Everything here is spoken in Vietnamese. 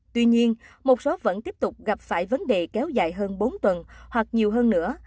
tuy nhiên một số vẫn tiếp tục gặp phải vấn đề kéo dài hơn bốn tuần hoặc nhiều hơn nữa